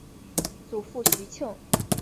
祖父徐庆。